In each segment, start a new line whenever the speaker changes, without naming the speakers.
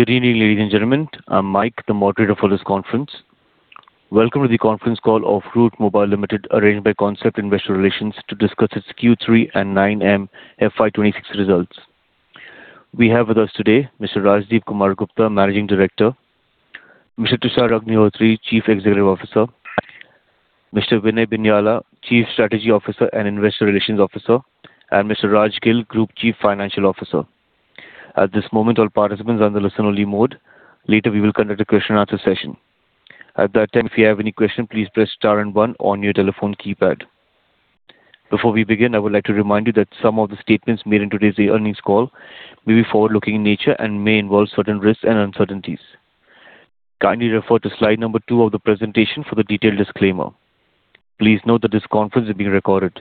Good evening, ladies and gentlemen. I'm Mike, the moderator for this conference. Welcome to the conference call of Route Mobile Limited, arranged by Concept Investor Relations, to discuss its Q3 and 9M FY 2026 results. We have with us today Mr. Rajdip Gupta, Managing Director; Mr. Tushar Agnihotri, Chief Executive Officer; Mr. Gautam Badalia, Chief Strategy Officer and Investor Relations Officer; and Mr. Raj Gill, Group Chief Financial Officer. At this moment, all participants are on the listen-only mode. Later, we will conduct a question and answer session. At that time, if you have any questions, please press star and one on your telephone keypad. Before we begin, I would like to remind you that some of the statements made in today's earnings call may be forward-looking in nature and may involve certain risks and uncertainties. Kindly refer to slide number two of the presentation for the detailed disclaimer. Please note that this conference is being recorded.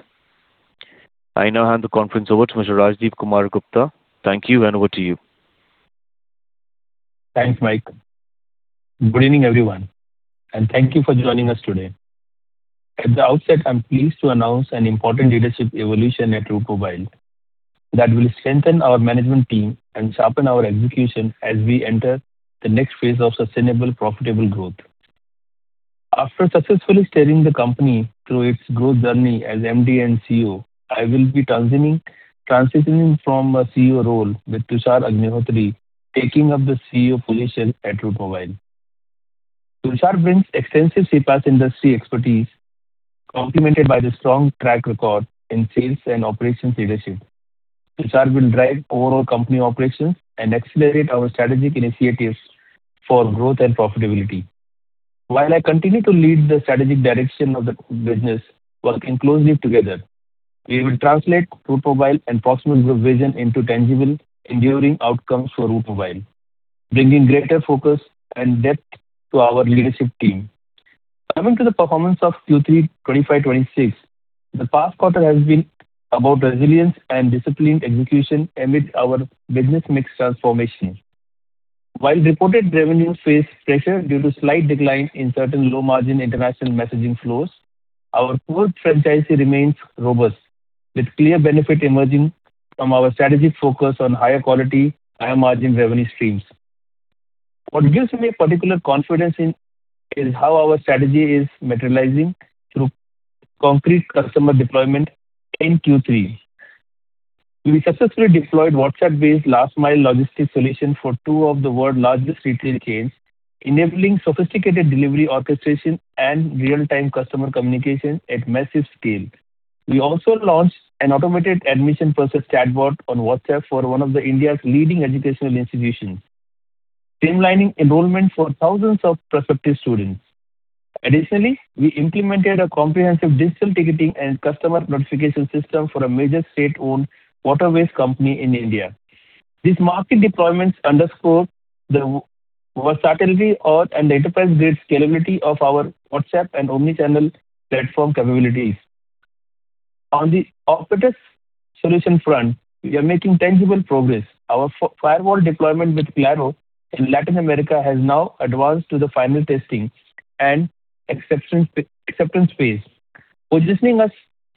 I now hand the conference over to Mr. Rajdip Gupta. Thank you, and over to you.
Thanks, Mike. Good evening, everyone, and thank you for joining us today. At the outset, I'm pleased to announce an important leadership evolution at Route Mobile that will strengthen our management team and sharpen our execution as we enter the next phase of sustainable, profitable growth. After successfully steering the company through its growth journey as MD and CEO, I will be transitioning, transitioning from a CEO role, with Tushar Agnihotri taking up the CEO position at Route Mobile. Tushar brings extensive CPaaS industry expertise, complemented by the strong track record in sales and operations leadership. Tushar will drive overall company operations and accelerate our strategic initiatives for growth and profitability. While I continue to lead the strategic direction of the business, working closely together, we will translate Route Mobile and possible growth vision into tangible, enduring outcomes for Route Mobile, bringing greater focus and depth to our leadership team. Coming to the performance of Q3 2025-2026, the past quarter has been about resilience and disciplined execution amid our business mix transformation. While reported revenues face pressure due to slight decline in certain low-margin international messaging flows, our core franchise remains robust, with clear benefit emerging from our strategic focus on higher quality, higher margin revenue streams. What gives me particular confidence in is how our strategy is materializing through concrete customer deployment in Q3. We successfully deployed WhatsApp-based last mile logistics solution for two of the world's largest retail chains, enabling sophisticated delivery, orchestration, and real-time customer communication at massive scale. We also launched an automated admission process chatbot on WhatsApp for one of India's leading educational institutions, streamlining enrollment for thousands of prospective students. Additionally, we implemented a comprehensive digital ticketing and customer notification system for a major state-owned waterways company in India. These market deployments underscore the versatility and enterprise-grade scalability of our WhatsApp and omnichannel platform capabilities. On the operative solution front, we are making tangible progress. Our firewall deployment with Claro in Latin America has now advanced to the final testing and acceptance phase, positioning us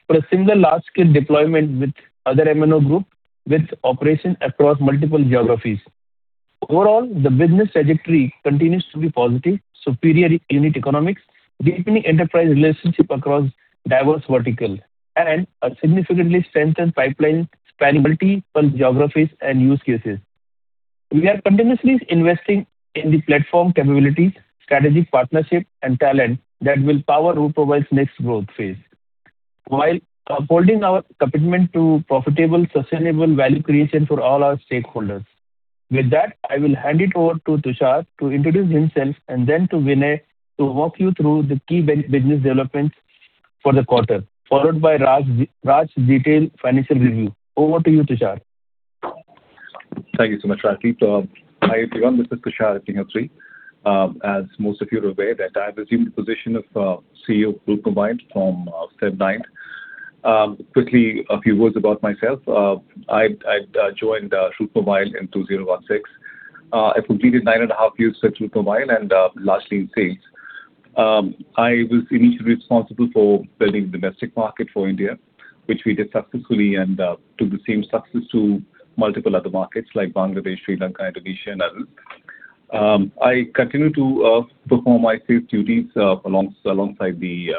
for a similar large-scale deployment with other MNO groups with operations across multiple geographies. Overall, the business trajectory continues to be positive, superior unit economics, deepening enterprise relationships across diverse verticals, and a significantly strengthened pipeline spanning multiple geographies and use cases. We are continuously investing in the platform capabilities, strategic partnerships, and talent that will power Route Mobile's next growth phase, while upholding our commitment to profitable, sustainable value creation for all our stakeholders. With that, I will hand it over to Tushar to introduce himself and then to Gautam to walk you through the key business developments for the quarter, followed by Raj's detailed financial review. Over to you, Tushar.
Thank you so much, Rajdip. Hi, everyone, this is Tushar Agnihotri. As most of you are aware, that I have assumed the position of CEO of Route Mobile from February 9th. Quickly, a few words about myself. I joined Route Mobile in 2016. I completed nine and a half years at Route Mobile and largely in sales. I was initially responsible for building the domestic market for India, which we did successfully and took the same success to multiple other markets like Bangladesh, Sri Lanka, Indonesia and others. I continue to perform my sales duties alongside the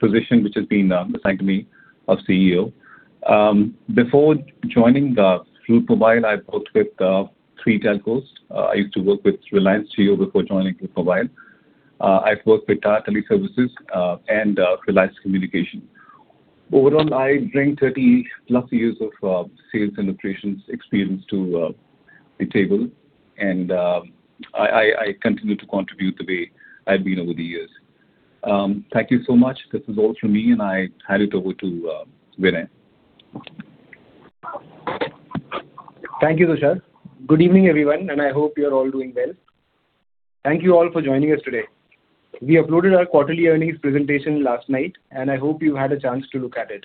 position which has been assigned to me of CEO. Before joining Route Mobile, I worked with three telcos. I used to work with Reliance Jio before joining Route Mobile. I've worked with Tata Teleservices, and Reliance Communications. Overall, I bring 30+ years of sales and operations experience to the table, and I continue to contribute the way I've been over the years. Thank you so much. This is all for me, and I hand it over to Gautam.
Thank you, Tushar. Good evening, everyone, and I hope you're all doing well. Thank you all for joining us today. We uploaded our quarterly earnings presentation last night, and I hope you had a chance to look at it.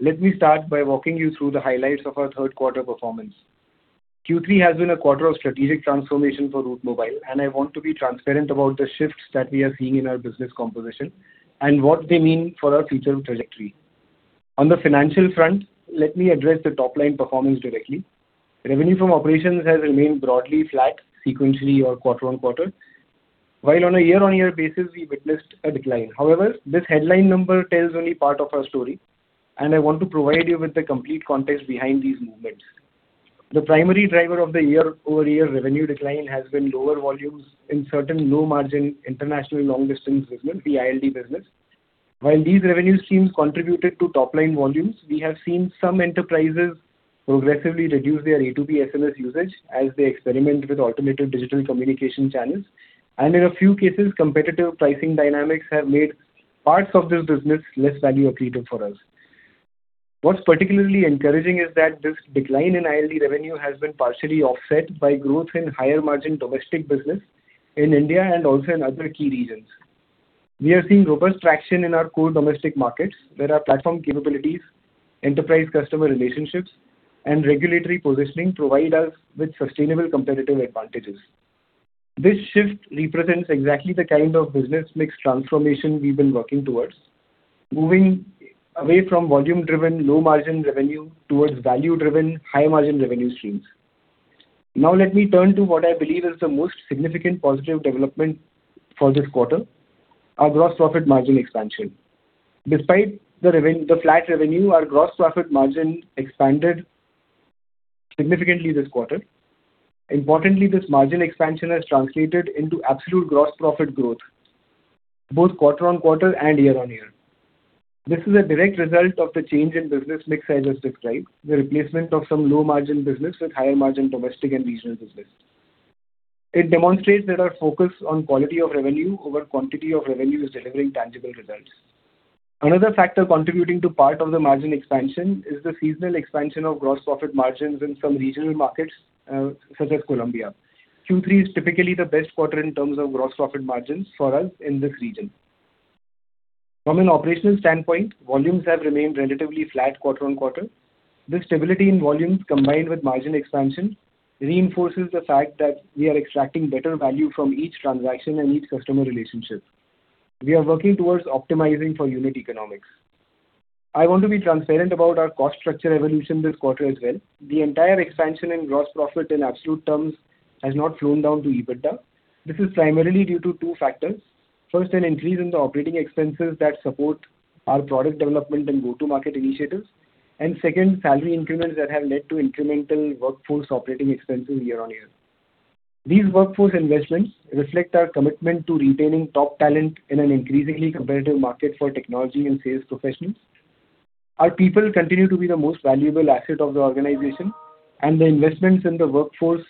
Let me start by walking you through the highlights of our third quarter performance. Q3 has been a quarter of strategic transformation for Route Mobile, and I want to be transparent about the shifts that we are seeing in our business composition and what they mean for our future trajectory. ...On the financial front, let me address the top-line performance directly. Revenue from operations has remained broadly flat sequentially or quarter-on-quarter, while on a year-on-year basis, we witnessed a decline. However, this headline number tells only part of our story, and I want to provide you with the complete context behind these movements. The primary driver of the year-over-year revenue decline has been lower volumes in certain low-margin international long-distance business, the ILD business. While these revenue streams contributed to top-line volumes, we have seen some enterprises progressively reduce their A2P SMS usage as they experiment with automated digital communication channels, and in a few cases, competitive pricing dynamics have made parts of this business less value accretive for us. What's particularly encouraging is that this decline in ILD revenue has been partially offset by growth in higher-margin domestic business in India and also in other key regions. We are seeing robust traction in our core domestic markets, where our platform capabilities, enterprise customer relationships, and regulatory positioning provide us with sustainable competitive advantages. This shift represents exactly the kind of business mix transformation we've been working towards, moving away from volume-driven, low-margin revenue towards value-driven, high-margin revenue streams. Now let me turn to what I believe is the most significant positive development for this quarter, our gross profit margin expansion. Despite the flat revenue, our gross profit margin expanded significantly this quarter. Importantly, this margin expansion has translated into absolute gross profit growth, both quarter-on-quarter and year-on-year. This is a direct result of the change in business mix I just described, the replacement of some low-margin business with higher-margin domestic and regional business. It demonstrates that our focus on quality of revenue over quantity of revenue is delivering tangible results. Another factor contributing to part of the margin expansion is the seasonal expansion of gross profit margins in some regional markets, such as Colombia. Q3 is typically the best quarter in terms of gross profit margins for us in this region. From an operational standpoint, volumes have remained relatively flat quarter-on-quarter. This stability in volumes, combined with margin expansion, reinforces the fact that we are extracting better value from each transaction and each customer relationship. We are working towards optimizing for unit economics. I want to be transparent about our cost structure evolution this quarter as well. The entire expansion in gross profit in absolute terms has not flown down to EBITDA. This is primarily due to two factors. First, an increase in the operating expenses that support our product development and go-to-market initiatives. Second, salary increments that have led to incremental workforce operating expenses year on year. These workforce investments reflect our commitment to retaining top talent in an increasingly competitive market for technology and sales professionals. Our people continue to be the most valuable asset of the organization, and the investments in the workforce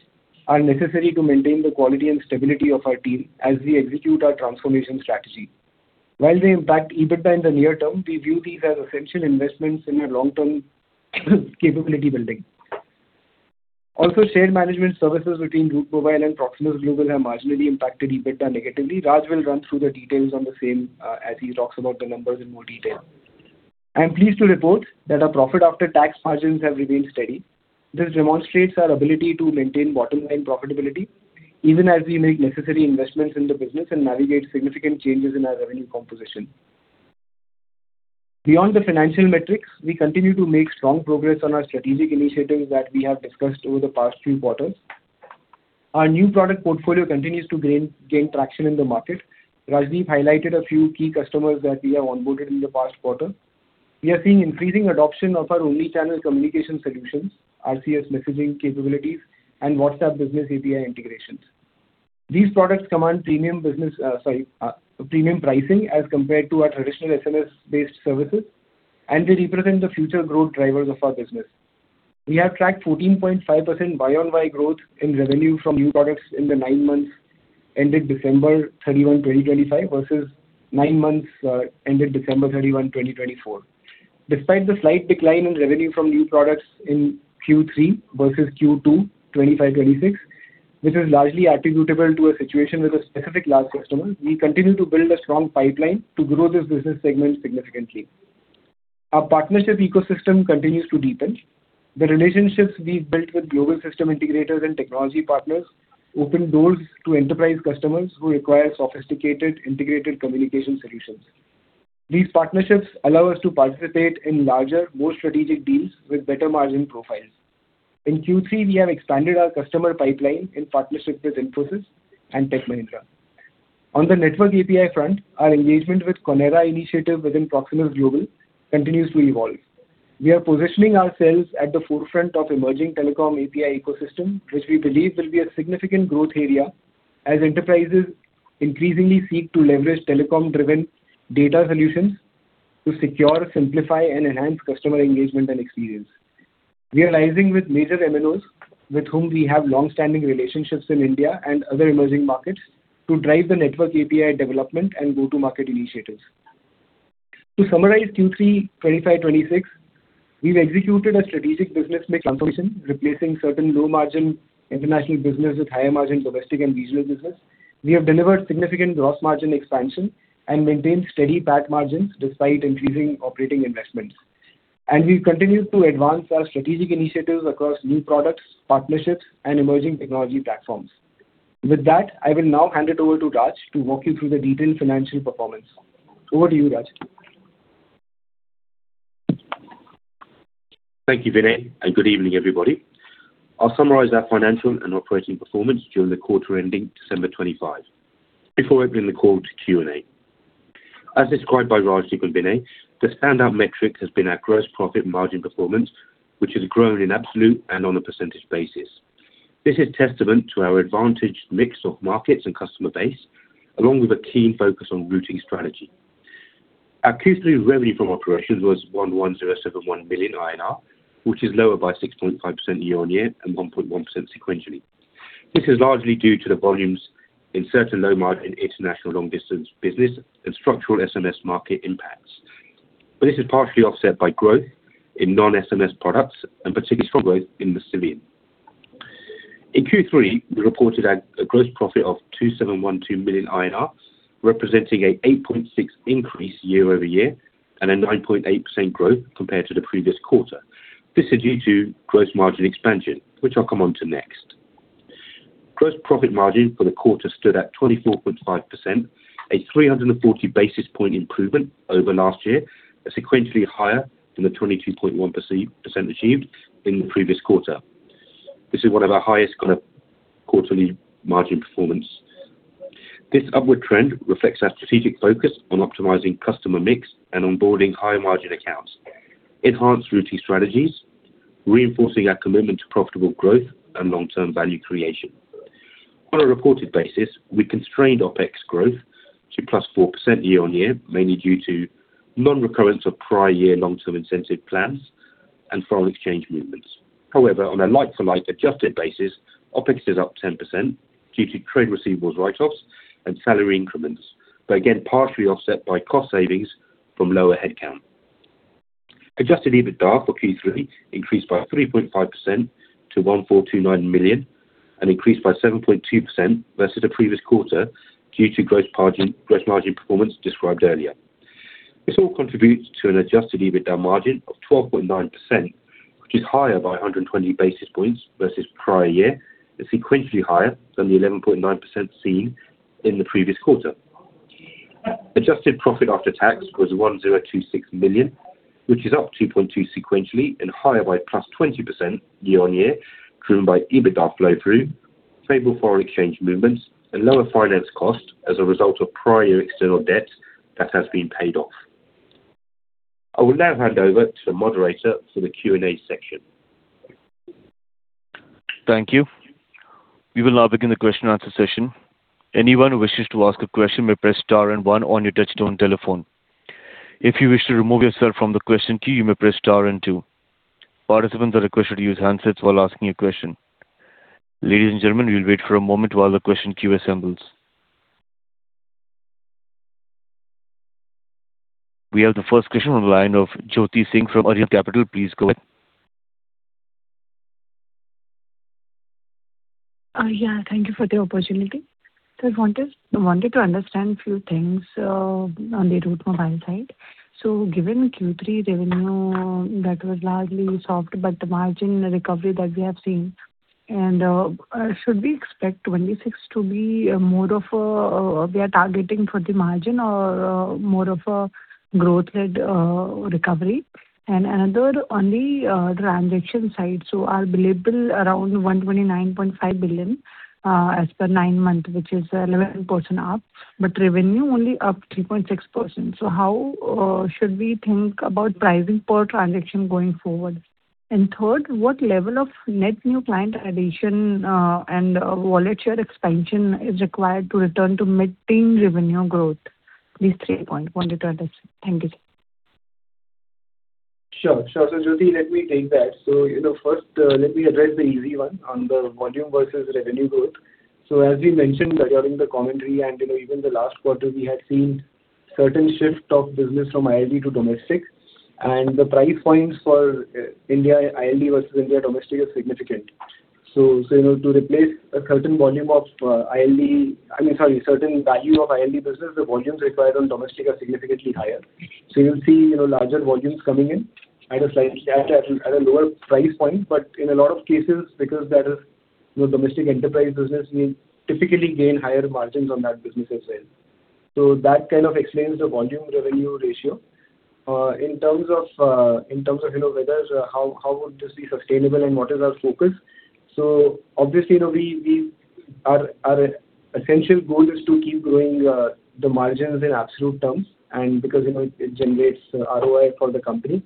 are necessary to maintain the quality and stability of our team as we execute our transformation strategy. While they impact EBITDA in the near term, we view these as essential investments in our long-term capability building. Also, shared management services between Route Mobile and Proximus Group have marginally impacted EBITDA negatively. Raj will run through the details on the same, as he talks about the numbers in more detail. I am pleased to report that our profit after tax margins have remained steady. This demonstrates our ability to maintain bottom-line profitability, even as we make necessary investments in the business and navigate significant changes in our revenue composition. Beyond the financial metrics, we continue to make strong progress on our strategic initiatives that we have discussed over the past few quarters. Our new product portfolio continues to gain traction in the market. Rajdiprajje highlighted a few key customers that we have onboarded in the past quarter. We are seeing increasing adoption of our omnichannel communication solutions, RCS messaging capabilities, and WhatsApp Business API integrations. These products command premium business, sorry, premium pricing as compared to our traditional SMS-based services, and they represent the future growth drivers of our business. We have tracked 14.5% Y-on-Y growth in revenue from new products in the nine months ended December 31, 2025, versus nine months ended December 31, 2024. Despite the slight decline in revenue from new products in Q3 versus Q2, 2025, 2026, which is largely attributable to a situation with a specific large customer, we continue to build a strong pipeline to grow this business segment significantly. Our partnership ecosystem continues to deepen. The relationships we've built with global system integrators and technology partners open doors to enterprise customers who require sophisticated, integrated communication solutions. These partnerships allow us to participate in larger, more strategic deals with better margin profiles. In Q3, we have expanded our customer pipeline in partnership with Infosys and Tech Mahindra. On the network API front, our engagement with CAMARA initiative within Proximus Group continues to evolve. We are positioning ourselves at the forefront of emerging telecom API ecosystem, which we believe will be a significant growth area as enterprises increasingly seek to leverage telecom-driven data solutions to secure, simplify, and enhance customer engagement and experience. We are allying with major MNOs, with whom we have long-standing relationships in India and other emerging markets, to drive the network API development and go-to-market initiatives. To summarize Q3 2025-2026, we've executed a strategic business mix transformation, replacing certain low-margin international business with higher-margin domestic and regional business. We have delivered significant gross margin expansion and maintained steady PAT margins despite increasing operating investments. We've continued to advance our strategic initiatives across new products, partnerships, and emerging technology platforms. With that, I will now hand it over to Raj to walk you through the detailed financial performance. Over to you, Raj.
Thank you, Gautam, and good evening, everybody. I'll summarize our financial and operating performance during the quarter ending December 25, before opening the call to Q&A. As described by Rajdip and Gautam, the standout metric has been our gross profit margin performance, which has grown in absolute and on a percentage basis. This is testament to our advantaged mix of markets and customer base, along with a keen focus on routing strategy. Our Q3 revenue from operations was 1,107.1 billion INR, which is lower by 6.5% year-on-year and 1.1% sequentially. This is largely due to the volumes in certain low market and international long distance business and structural SMS market impacts. But this is partially offset by growth in non-SMS products, and particularly strong growth in the SendClean. In Q3, we reported a gross profit of 271.2 billion INR, representing an 8.6 increase year-over-year, and a 9.8% growth compared to the previous quarter. This is due to gross margin expansion, which I'll come on to next. Gross profit margin for the quarter stood at 24.5%, a 340 basis point improvement over last year, sequentially higher than the 22.1% achieved in the previous quarter. This is one of our highest kind of quarterly margin performance. This upward trend reflects our strategic focus on optimizing customer mix and onboarding higher margin accounts, enhanced routing strategies, reinforcing our commitment to profitable growth and long-term value creation. On a reported basis, we constrained OpEx growth to +4% year-on-year, mainly due to non-recurrence of prior year long-term incentive plans and foreign exchange movements. However, on a like-for-like adjusted basis, OpEx is up 10% due to trade receivables write-offs and salary increments, but again, partially offset by cost savings from lower headcount. Adjusted EBITDA for Q3 increased by 3.5% to 142.9 million, and increased by 7.2% versus the previous quarter due to gross margin, gross margin performance described earlier. This all contributes to an adjusted EBITDA margin of 12.9%, which is higher by 120 basis points versus prior year, and sequentially higher than the 11.9% seen in the previous quarter. Adjusted profit after tax was 1,026 million, which is up 2.2 sequentially and higher by +20% year-on-year, driven by EBITDA flow through, favorable foreign exchange movements and lower finance cost as a result of prior external debt that has been paid off. I will now hand over to the moderator for the Q&A section.
Thank you. We will now begin the question and answer session. Anyone who wishes to ask a question may press star and one on your touchtone telephone. If you wish to remove yourself from the question queue, you may press star and two. Participants are requested to use handsets while asking a question. Ladies and gentlemen, we'll wait for a moment while the question queue assembles. We have the first question on the line of Jyoti Singh from Arihant Capital. Please go ahead.
Yeah, thank you for the opportunity. So I wanted, I wanted to understand a few things on the Route Mobile side. So given Q3 revenue, that was largely soft, but the margin recovery that we have seen, and, should we expect 2026 to be more of a, we are targeting for the margin or more of a growth-led recovery? And another on the transaction side, so our billable around 129.5 billion as per nine months, which is 11% up, but revenue only up 3.6%. So how should we think about pricing per transaction going forward? And third, what level of net new client addition and wallet share expansion is required to return to mid-teen revenue growth? These three points I wanted to understand. Thank you.
Sure, sure. So, Jyoti, let me take that. So, you know, first, let me address the easy one on the volume versus revenue growth. So as we mentioned during the commentary and, you know, even the last quarter, we had seen certain shift of business from ILD to domestic, and the price points for, India ILD versus India domestic is significant. So, you know, to replace a certain volume of, ILD, I mean, sorry, certain value of ILD business, the volumes required on domestic are significantly higher. So you'll see, you know, larger volumes coming in at a slightly lower price point. But in a lot of cases, because that is the domestic enterprise business, we typically gain higher margins on that business as well. So that kind of explains the volume-revenue ratio. In terms of, you know, whether, how would this be sustainable and what is our focus? So obviously, you know, our essential goal is to keep growing the margins in absolute terms and because, you know, it generates ROI for the company.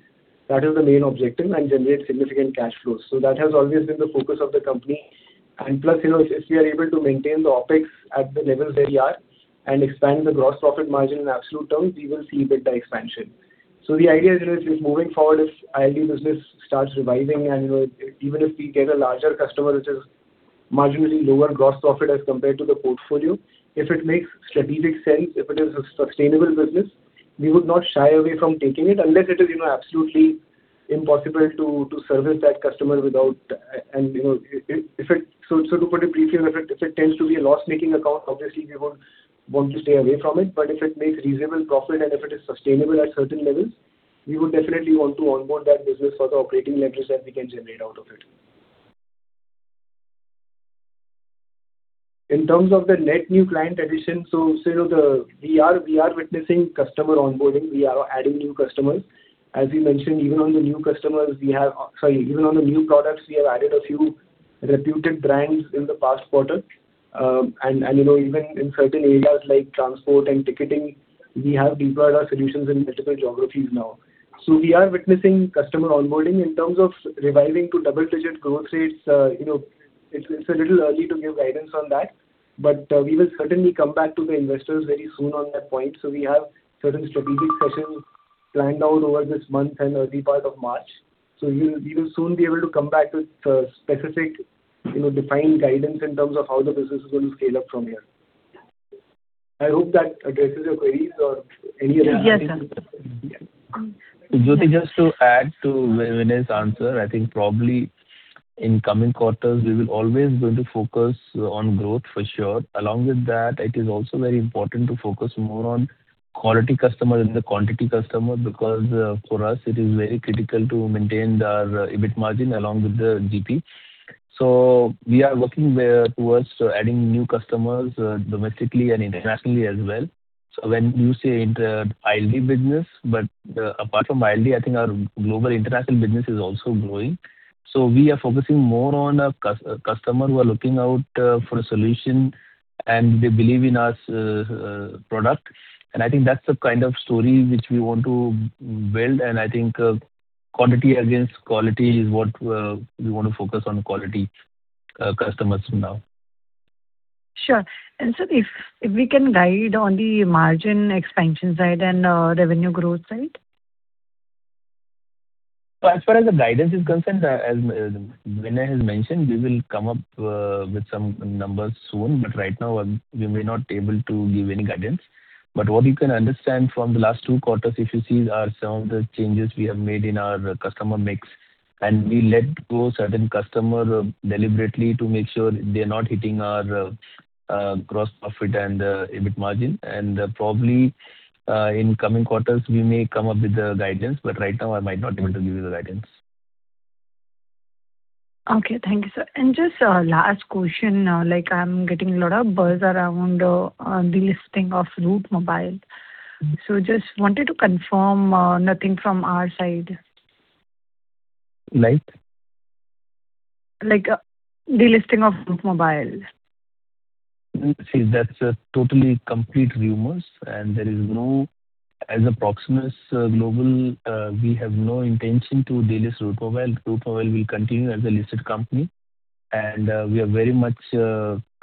That is the main objective, and generates significant cash flows. So that has always been the focus of the company. And plus, you know, if we are able to maintain the OpEx at the levels they are, and expand the gross profit margin in absolute terms, we will see EBITDA expansion. So the idea is moving forward, if ILD business starts reviving and, you know, even if we get a larger customer, which is marginally lower gross profit as compared to the portfolio, if it makes strategic sense, if it is a sustainable business, we would not shy away from taking it unless it is, you know, absolutely impossible to service that customer without and, you know, if it-- so to put it briefly, if it tends to be a loss-making account, obviously we would want to stay away from it. But if it makes reasonable profit and if it is sustainable at certain levels. We would definitely want to onboard that business for the operating leverage that we can generate out of it. In terms of the net new client acquisition, you know, we are witnessing customer onboarding. We are adding new customers. As we mentioned, even on the new customers, we have, sorry, even on the new products, we have added a few reputed brands in the past quarter. And you know, even in certain areas like transport and ticketing, we have deployed our solutions in multiple geographies now. So we are witnessing customer onboarding. In terms of reviving to double-digit growth rates, you know, it's a little early to give guidance on that, but we will certainly come back to the investors very soon on that point. So we have certain strategic sessions planned out over this month and early part of March. So we will soon be able to come back with specific, you know, defined guidance in terms of how the business is going to scale up from here. I hope that addresses your queries or any other-
Yes, sir.
Yeah. Jyoti, just to add to Gautam Badalia's answer, I think probably in coming quarters, we will always going to focus on growth for sure. Along with that, it is also very important to focus more on quality customer than the quantity customer, because for us, it is very critical to maintain our EBIT margin along with the GP. So we are working towards adding new customers domestically and internationally as well. So when you say the ILD business, but apart from ILD, I think our global international business is also growing. So we are focusing more on our customer who are looking out for a solution, and they believe in us product. I think that's the kind of story which we want to build, and I think, quantity against quality is what we want to focus on quality, customers now.
Sure. Sir, if, if we can guide on the margin expansion side and revenue growth side?
So as far as the guidance is concerned, as vinay has mentioned, we will come up with some numbers soon, but right now, we may not able to give any guidance. But what you can understand from the last two quarters, if you see, are some of the changes we have made in our customer mix. And we let go certain customer deliberately to make sure they are not hitting our gross profit and EBIT margin. And probably in coming quarters, we may come up with the guidance, but right now I might not be able to give you the guidance.
Okay. Thank you, sir. Just a last question, like, I'm getting a lot of buzz around on the listing of Route Mobile. Just wanted to confirm, nothing from our side.
Like?
Like, delisting of Route Mobile.
See, that's totally complete rumors, and there is no. As a Proximus Global, we have no intention to delist Route Mobile. Route Mobile will continue as a listed company, and we are very much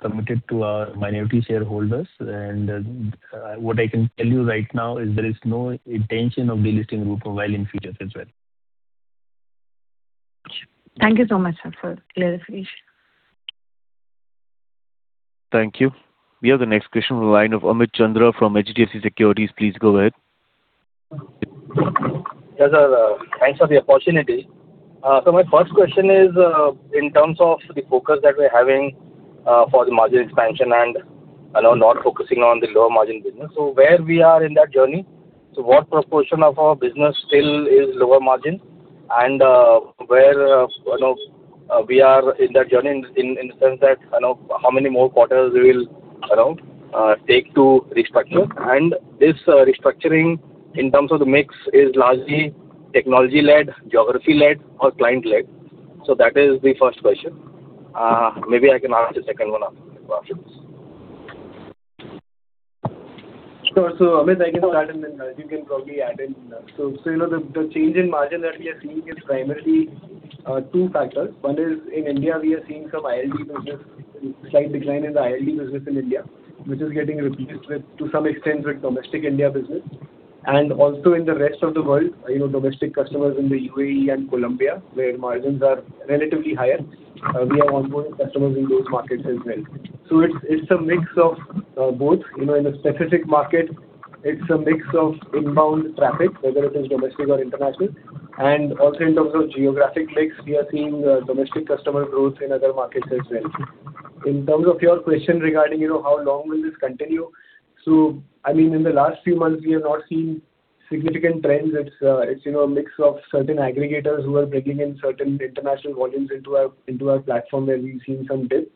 committed to our minority shareholders. What I can tell you right now is there is no intention of delisting Route Mobile in future as well.
Thank you so much, sir, for clarification.
Thank you. We have the next question on the line of Amit Chandra from HDFC Securities. Please go ahead.
Yes, sir. Thanks for the opportunity. So my first question is, in terms of the focus that we're having, for the margin expansion and, you know, not focusing on the lower margin business. So where we are in that journey? So what proportion of our business still is lower margin? And, where, you know, we are in that journey in, in the sense that, you know, how many more quarters we will, you know, take to restructure? And this restructuring, in terms of the mix, is largely technology-led, geography-led or client-led? So that is the first question. Maybe I can ask the second one after the questions.
Sure. So, Amit, I can add, and then you can probably add in. So, you know, the change in margin that we are seeing is primarily two factors. One is, in India, we are seeing some ILD business, slight decline in the ILD business in India, which is getting replaced with, to some extent, with domestic India business. And also in the rest of the world, you know, domestic customers in the UAE and Colombia, where margins are relatively higher, we are onboarding customers in those markets as well. So it's a mix of both. You know, in a specific market, it's a mix of inbound traffic, whether it is domestic or international. And also in terms of geographic mix, we are seeing domestic customer growth in other markets as well. In terms of your question regarding, you know, how long will this continue, so I mean, in the last few months, we have not seen significant trends. It's, you know, a mix of certain aggregators who are bringing in certain international volumes into our platform, where we've seen some dip.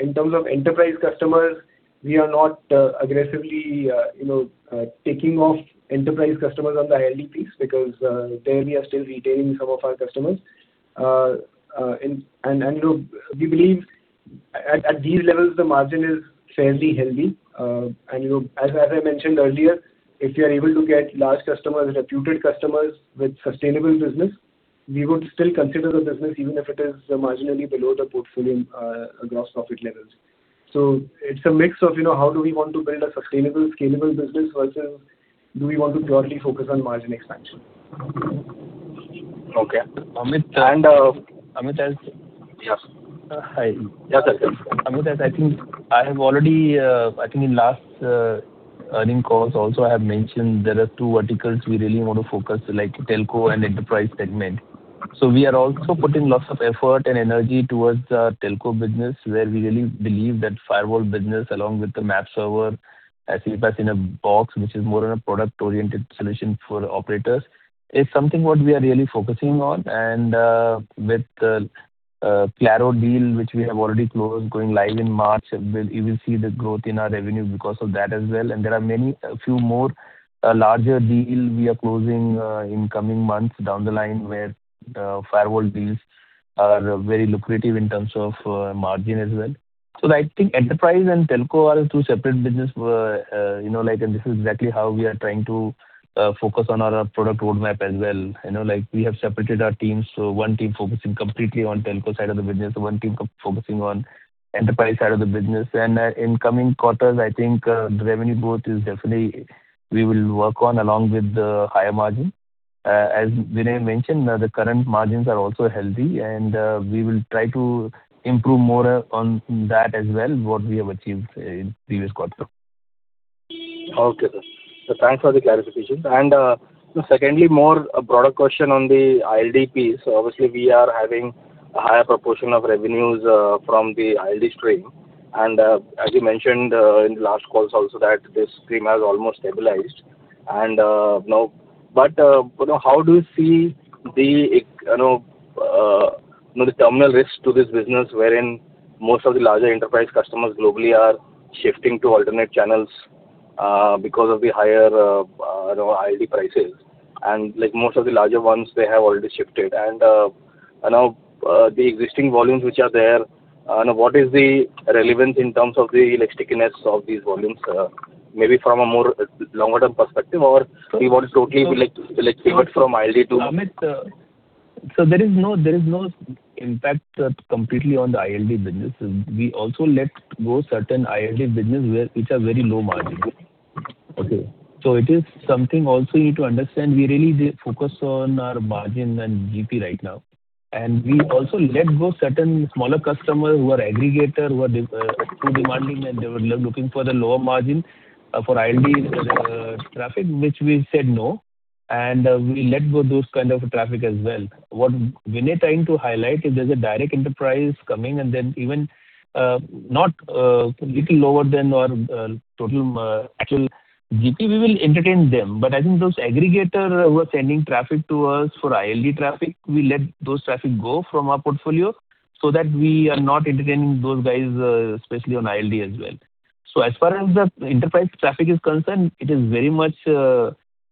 In terms of enterprise customers, we are not aggressively, you know, taking off enterprise customers on the ILD piece, because there we are still retaining some of our customers. And, you know, we believe at these levels, the margin is fairly healthy. And, you know, as I mentioned earlier, if we are able to get large customers, reputed customers with sustainable business, we would still consider the business, even if it is marginally below the portfolio gross profit levels. It's a mix of, you know, how do we want to build a sustainable, scalable business versus do we want to purely focus on margin expansion?
Okay.
Amit, and, Amit, as-
Yes.
Uh, hi.
Yeah.
Amit, as I think I have already, I think in last earnings calls also I have mentioned there are two verticals we really want to focus, like telco and enterprise segment. So we are also putting lots of effort and energy towards telco business, where we really believe that firewall business, along with the MaaP server, as in a box, which is more of a product-oriented solution for operators, is something what we are really focusing on. And with the Claro deal, which we have already closed, going live in March, we will see the growth in our revenue because of that as well. And there are a few more larger deals we are closing in coming months down the line, where firewall deals are very lucrative in terms of margin as well. So I think enterprise and telco are two separate business, you know, like, and this is exactly how we are trying to focus on our product roadmap as well. You know, like, we have separated our teams, so one team focusing completely on telco side of the business, one team focusing on enterprise side of the business. And, in coming quarters, I think, the revenue growth is definitely we will work on, along with the higher margin. As Gautam mentioned, the current margins are also healthy, and, we will try to improve more on that as well, what we have achieved in previous quarter.
Okay. So thanks for the clarification. Secondly, more of a broader question on the ILD piece. Obviously, we are having a higher proportion of revenues from the ILD stream. And, as you mentioned, in the last calls also, that this stream has almost stabilized. And, now. But, you know, how do you see the, you know, the terminal risk to this business, wherein most of the larger enterprise customers globally are shifting to alternate channels because of the higher ILD prices? And, like, most of the larger ones, they have already shifted. And, now, the existing volumes which are there, what is the relevance in terms of the stickiness of these volumes, maybe from a more longer-term perspective, or we want to totally be like, like, pivot from ILD to-
Amit, so there is no, there is no impact, completely on the ILD business. We also let go certain ILD business where, which are very low margin.
Okay.
It is something also you need to understand, we really focus on our margin and GP right now. We also let go certain smaller customers who are aggregator, who are too demanding, and they were looking for the lower margin for ILD traffic, which we said no, and we let go those kind of traffic as well. What Gautam trying to highlight is there's a direct enterprise coming, and then even not little lower than our total actual GP, we will entertain them. I think those aggregator who are sending traffic to us for ILD traffic, we let those traffic go from our portfolio so that we are not entertaining those guys, especially on ILD as well. As far as the enterprise traffic is concerned, it is very much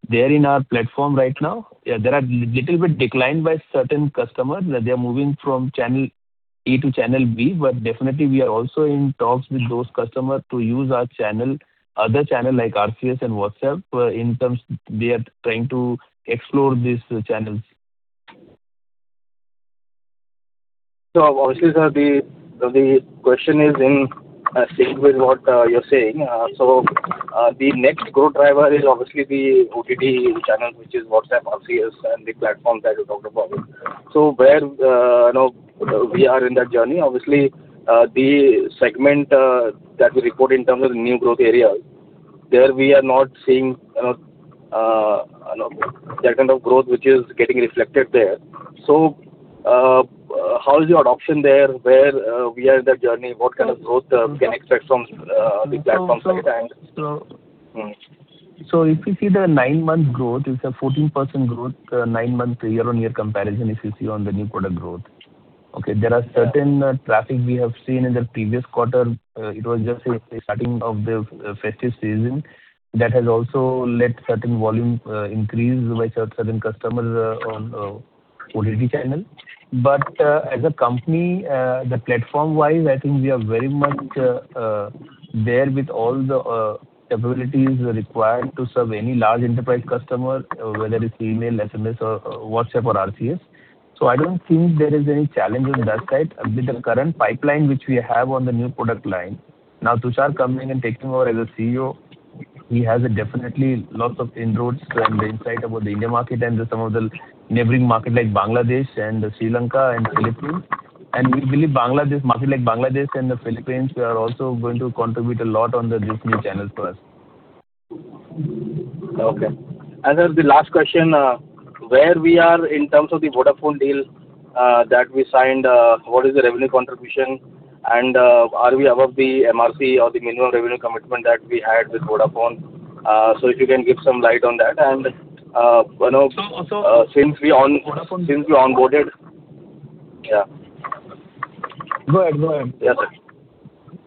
there in our platform right now. There are little bit declined by certain customers, that they are moving from channel A to channel B, but definitely we are also in talks with those customers to use our channel, other channel, like RCS and WhatsApp, in terms they are trying to explore these channels.
So obviously, sir, the question is in sync with what you're saying. So the next growth driver is obviously the OTT channel, which is WhatsApp, RCS, and the platforms that you talked about. So where you know we are in that journey? Obviously the segment that we report in terms of new growth areas, there we are not seeing you know that kind of growth which is getting reflected there. So how is your adoption there? Where we are in that journey? What kind of growth we can expect from the platforms like that?
So, if you see the nine-month growth, it's a 14% growth, nine-month year-on-year comparison, if you see on the new product growth. Okay, there are certain traffic we have seen in the previous quarter. It was just a starting of the festive season. That has also let certain volume increase by certain customers on OTT channel. But, as a company, the platform-wise, I think we are very much there with all the capabilities required to serve any large enterprise customer, whether it's email, SMS or WhatsApp or RCS. So I don't think there is any challenge on that side with the current pipeline which we have on the new product line. Now, Tushar coming and taking over as CEO, he has definitely a lot of inroads and the insight about the India market and some of the neighboring markets, like Bangladesh and Sri Lanka and Philippines. We believe markets like Bangladesh and the Philippines; we are also going to contribute a lot to these new channels for us.
Okay. And then the last question: Where we are in terms of the Vodafone deal, that we signed, what is the revenue contribution? And, are we above the MRC or the minimum revenue commitment that we had with Vodafone? So if you can give some light on that. And, you know-
So, also-
Since we on-
Vodafone-
Since we onboarded. Yeah.
Go ahead, go ahead.
Yeah.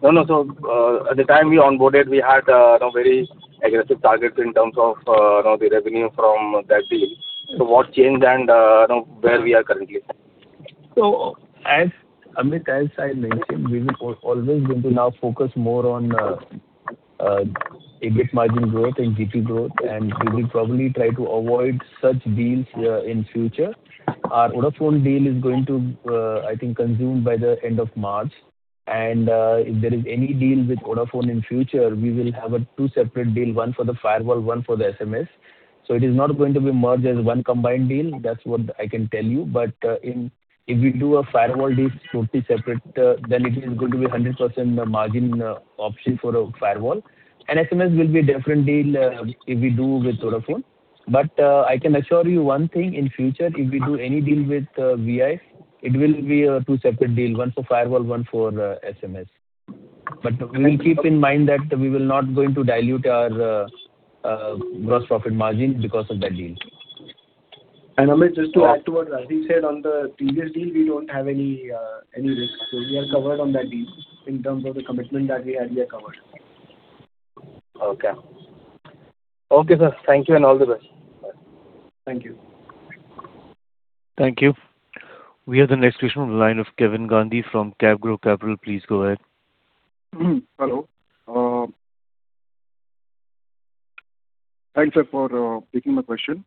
No, no, so, at the time we onboarded, we had, you know, very aggressive targets in terms of, you know, the revenue from that deal. So what changed and, you know, where we are currently?
So, as Amit, as I mentioned, we will always going to now focus more on EBIT margin growth and GP growth, and we will probably try to avoid such deals in future. Our Vodafone deal is going to, I think, consume by the end of March. And if there is any deal with Vodafone in future, we will have a two separate deal, one for the firewall, one for the SMS. So it is not going to be merged as one combined deal. That's what I can tell you. But if we do a firewall deal, totally separate, then it is going to be a 100% margin option for a firewall. And SMS will be a different deal if we do with Vodafone. But, I can assure you one thing, in future, if we do any deal with Vi, it will be a two separate deal, one for Firewall, one for SMS. But we will keep in mind that we will not going to dilute our gross profit margin because of that deal.
Amit, just to add to what Rajdip said, on the previous deal, we don't have any risk. So we are covered on that deal. In terms of the commitment that we have, we are covered.
Okay. Okay, sir. Thank you, and all the best. Bye.
Thank you.
Thank you. We have the next question on the line of Kevin Gandhi from CapGrow Capital. Please go ahead.
Hello. Thanks for taking my question.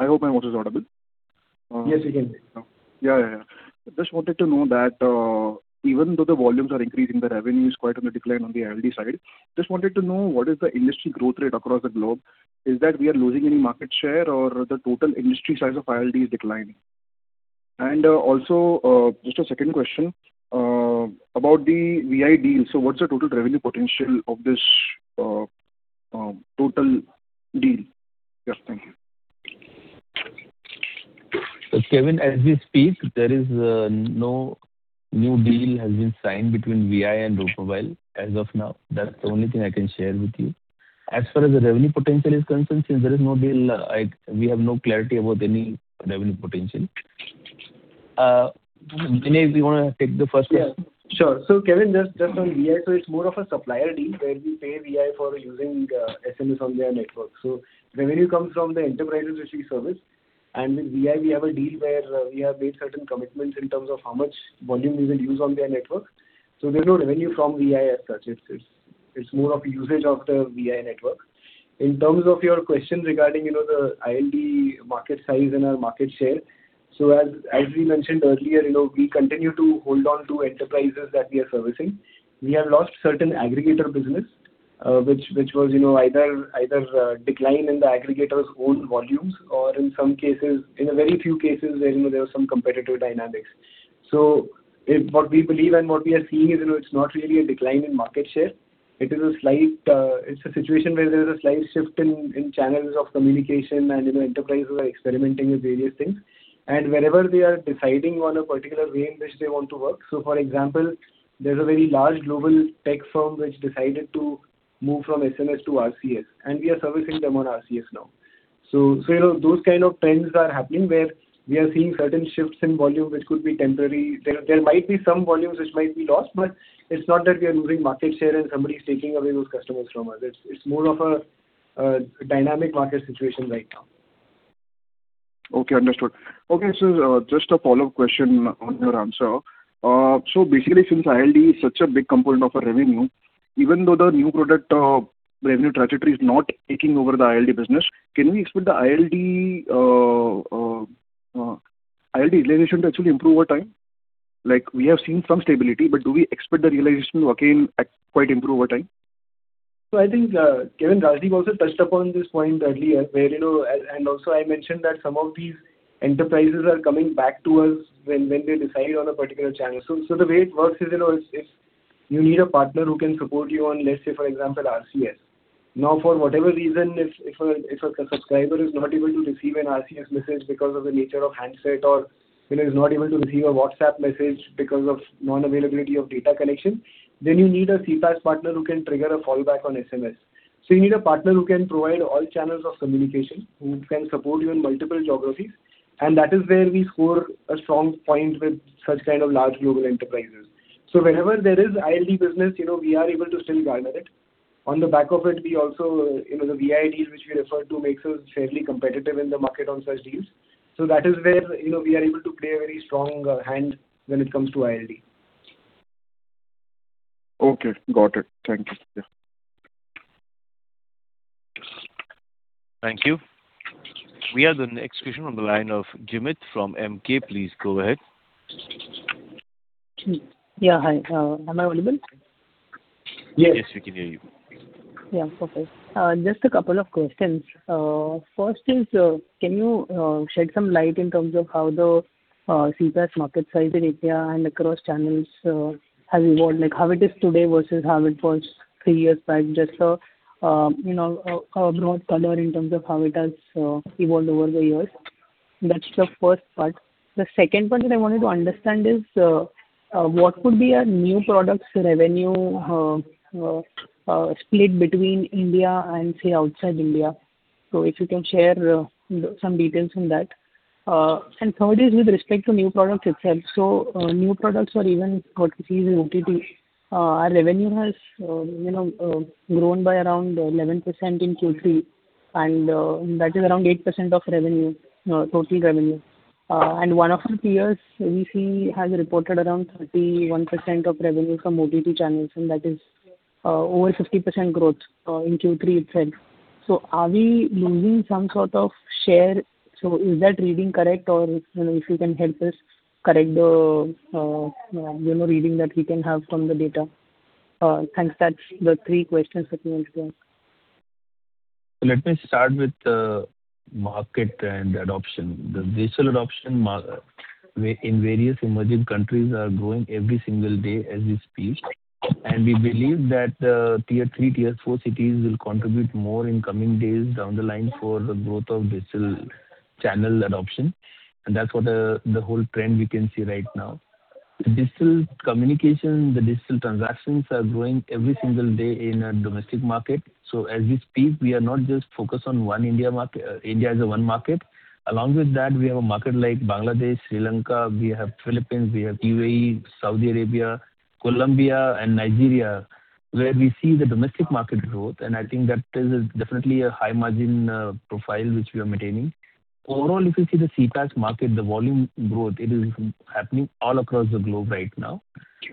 I hope my voice is audible.
Yes, we can hear you.
Yeah, yeah, yeah. Just wanted to know that, even though the volumes are increasing, the revenue is quite on the decline on the ILD side. Just wanted to know, what is the industry growth rate across the globe? Is that we are losing any market share or the total industry size of ILD is declining? And, also, just a second question, about the Vi deal. So what's the total revenue potential of this, total deal? Yes, thank you.
So, Kevin, as we speak, there is no new deal has been signed between Vi and Route Mobile as of now. That's the only thing I can share with you. As far as the revenue potential is concerned, since there is no deal, we have no clarity about any revenue potential. Gautam, do you want to take the first question?
Yeah, sure. So, Kevin, just on Vi, so it's more of a supplier deal where we pay Vi for using SMS on their network. So revenue comes from the enterprises which we service, and with Vi, we have a deal where we have made certain commitments in terms of how much volume we will use on their network. So there's no revenue from Vi as such. It's more of usage of the Vi network. In terms of your question regarding, you know, the ILD market size and our market share, so as we mentioned earlier, you know, we continue to hold on to enterprises that we are servicing. We have lost certain aggregator business, which was, you know, either decline in the aggregator's own volumes, or in some cases, in a very few cases, where, you know, there were some competitive dynamics. What we believe and what we are seeing is, you know, it's not really a decline in market share. It is a slight, it's a situation where there is a slight shift in channels of communication, and, you know, enterprises are experimenting with various things. And wherever they are deciding on a particular way in which they want to work, so, for example, there's a very large global tech firm which decided to move from SMS to RCS, and we are servicing them on RCS now. So, you know, those kind of trends are happening, where we are seeing certain shifts in volume, which could be temporary. There, there might be some volumes which might be lost, but it's not that we are losing market share and somebody's taking away those customers from us. It's, it's more of a, a dynamic market situation right now.
Okay, understood. Okay, so, just a follow-up question on your answer. So basically, since ILD is such a big component of our revenue, even though the new product revenue trajectory is not taking over the ILD business, can we expect the ILD realization to actually improve over time? Like, we have seen some stability, but do we expect the realization to again quite improve over time?
So I think, Kevin, Rajdip also touched upon this point earlier, where, you know, and also I mentioned that some of these enterprises are coming back to us when they decide on a particular channel. So the way it works is, you know, if you need a partner who can support you on, let's say, for example, RCS. Now, for whatever reason, if a subscriber is not able to receive an RCS message because of the nature of handset or, you know, is not able to receive a WhatsApp message because of non-availability of data connection, then you need a CPaaS partner who can trigger a fallback on SMS. So you need a partner who can provide all channels of communication, who can support you in multiple geographies, and that is where we score a strong point with such kind of large global enterprises. So wherever there is ILD business, you know, we are able to still garner it. On the back of it, we also, you know, the Vi deals, which you referred to, makes us fairly competitive in the market on such deals. So that is where, you know, we are able to play a very strong hand when it comes to ILD.
Okay, got it. Thank you.
Thank you. We have the next question on the line of Jimit from Emkay. Please go ahead.
Yeah, hi. Am I audible?
Yes, we can hear you.
Yeah, perfect. Just a couple of questions. First is, can you shed some light in terms of how the CPaaS market size in India and across channels has evolved? Like, how it is today versus how it was three years back. Just, you know, a broad color in terms of how it has evolved over the years. That's the first part. The second part that I wanted to understand is, what could be a new products revenue split between India and, say, outside India. So if you can share some details on that. And third is with respect to new products itself. So, new products or even what we see in OTT, our revenue has, you know, grown by around 11% in Q3, and, that is around 8% of revenue, total revenue. And one of our peers, VSE, has reported around 31% of revenue from OTT channels, and that is, over 50% growth, in Q3 itself. So are we losing some sort of share? So is that reading correct, or, you know, if you can help us correct the, you know, reading that we can have from the data? Thanks. That's the 3 questions that you want to ask.
Let me start with the market and adoption. The digital adoption market in various emerging countries is growing every single day as we speak, and we believe that tier three, tier four cities will contribute more in coming days down the line for the growth of digital channel adoption, and that's what the whole trend we can see right now. The digital communication, the digital transactions are growing every single day in a domestic market. So as we speak, we are not just focused on one India market, India as a one market. Along with that, we have a market like Bangladesh, Sri Lanka, we have Philippines, we have UAE, Saudi Arabia, Colombia and Nigeria, where we see the domestic market growth, and I think that is definitely a high margin profile which we are maintaining. Overall, if you see the CPaaS market, the volume growth, it is happening all across the globe right now,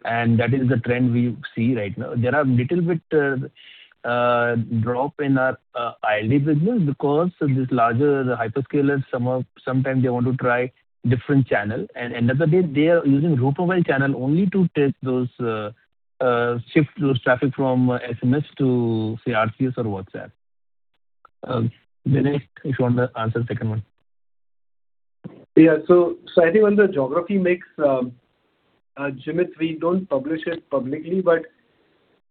and that is the trend we see right now. There are little bit, drop in our, ILD business, because this larger hyperscalers, sometimes they want to try different channel, and end of the day, they are using Route Mobile channel only to test those, shift those traffic from SMS to, say, RCS or WhatsApp. Gautam, if you want to answer the second one.
Yeah. So, I think on the geography mix, Jimit, we don't publish it publicly, but,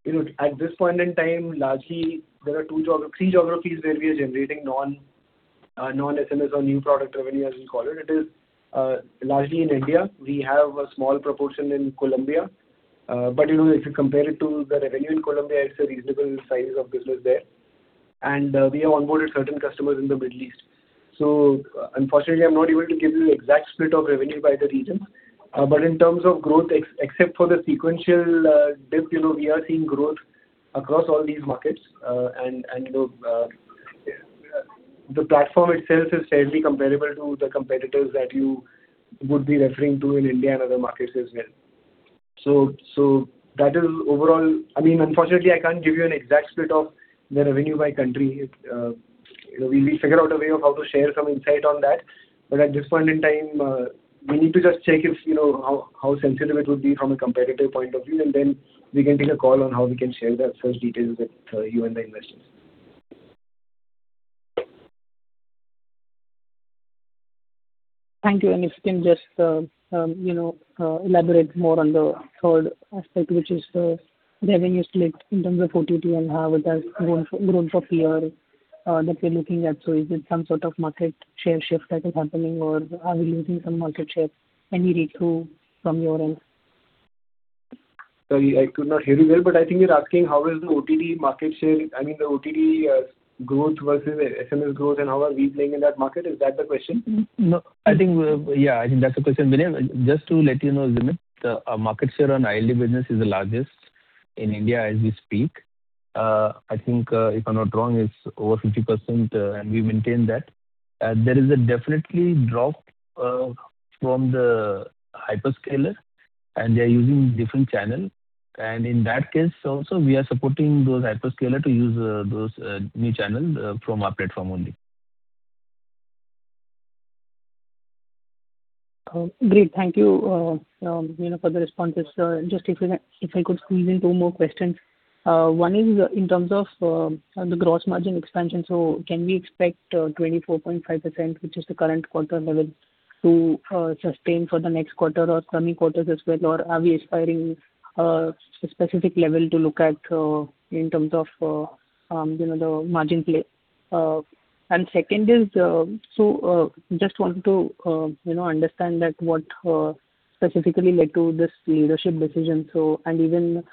you know, at this point in time, largely there are two three geographies where we are generating non non-SMS or new product revenue, as we call it. It is, largely in India. We have a small proportion in Colombia. But, you know, if you compare it to the revenue in Colombia, it's a reasonable size of business there. And, we have onboarded certain customers in the Middle East. So unfortunately, I'm not able to give you the exact split of revenue by the region. But in terms of growth, except for the sequential, dip, you know, we are seeing growth across all these markets. And, you know, the platform itself is fairly comparable to the competitors that you would be referring to in India and other markets as well. So that is overall... I mean, unfortunately, I can't give you an exact split of the revenue by country. You know, we figure out a way of how to share some insight on that. But at this point in time, we need to just check if, you know, how sensitive it would be from a competitive point of view, and then we can take a call on how we can share that sales details with you and the investors.
Thank you. If you can just, you know, elaborate more on the third aspect, which is the revenue split in terms of OTT and how it has grown for PR, that we're looking at. So is it some sort of market share shift that is happening, or are we losing some market share? Any read-through from your end?
Sorry, I could not hear you well, but I think you're asking how is the OTT market share—I mean, the OTT, growth versus SMS growth, and how are we playing in that market? Is that the question?
No, I think, yeah, I think that's the question, Gautam. Just to let you know, Jimit, the market share on ILD business is the largest in India as we speak. I think, if I'm not wrong, it's over 50%, and we maintain that. There is a definitely drop from the hyperscaler, and they are using different channel. And in that case also, we are supporting those hyperscaler to use those new channel from our platform only.
Great. Thank you, you know, for the responses. Just if you can, if I could squeeze in two more questions. One is in terms of the gross margin expansion. So can we expect 24.5%, which is the current quarter level, to sustain for the next quarter or coming quarters as well? Or are we aspiring specific level to look at, in terms of, you know, the margin play? And second is, so just want to, you know, understand that what specifically led to this leadership decision. So, and even,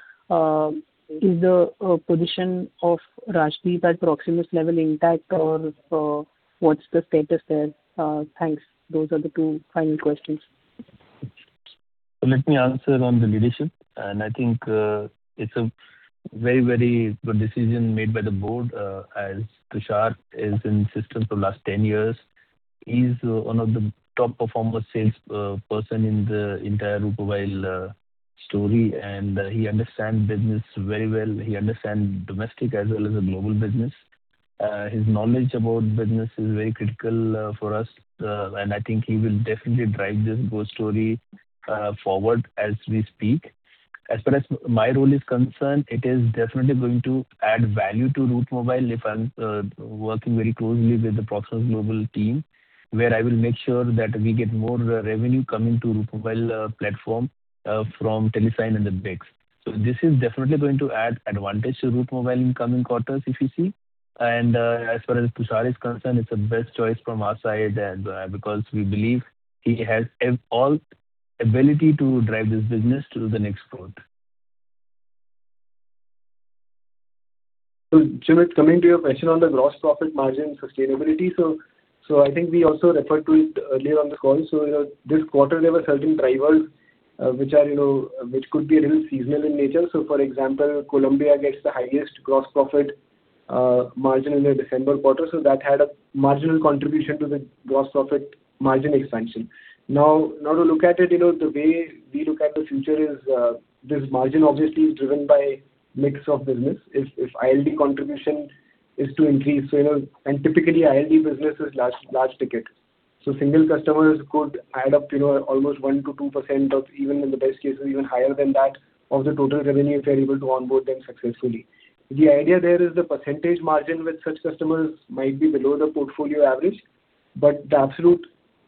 is the position of Rajdip at Proximus level intact or, what's the status there? Thanks. Those are the two final questions.
So let me answer on the leadership, and I think, it's a very, very good decision made by the board, as Tushar is in system for last 10 years. He's one of the top performer sales person in the entire Route Mobile story, and he understand business very well. He understand domestic as well as the global business. His knowledge about business is very critical for us, and I think he will definitely drive this growth story forward as we speak. As far as my role is concerned, it is definitely going to add value to Route Mobile if I'm working very closely with the Proximus Global team, where I will make sure that we get more revenue coming to Route Mobile platform from Telesign and the BICS. This is definitely going to add advantage to Route Mobile in coming quarters, if you see. As far as Tushar is concerned, it's the best choice from our side, because we believe he has every ability to drive this business to the next growth.
So, Jimit, coming to your question on the gross profit margin sustainability. So, I think we also referred to it earlier on the call. So, you know, this quarter there were certain drivers, which are, you know, which could be a little seasonal in nature. So, for example, Colombia gets the highest gross profit margin in the December quarter, so that had a marginal contribution to the gross profit margin expansion. Now, to look at it, you know, the way we look at the future is, this margin obviously is driven by mix of business. If ILD contribution is to increase, you know, and typically ILD business is large ticket. So single customers could add up, you know, almost 1%-2% of, even in the best cases, even higher than that, of the total revenue, if we're able to onboard them successfully. The idea there is the percentage margin with such customers might be below the portfolio average, but the absolute